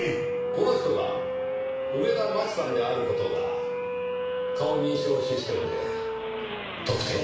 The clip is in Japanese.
この人が梅田真知さんである事が顔認証システムで特定できました。